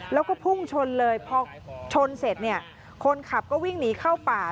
แล้วก็พุ่งชนเลยพอชนเสร็จเนี่ยคนขับก็วิ่งหนีเข้าป่า